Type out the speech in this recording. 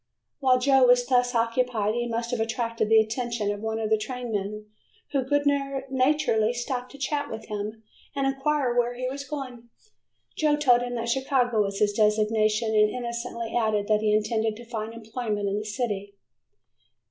While Joe was thus occupied he must have attracted the attention of one of the train men, who good naturedly stopped to chat with him, and inquired where he was going. Joe told him that Chicago was his destination, and innocently added that he intended to find employment in the city.